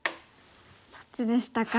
そっちでしたか。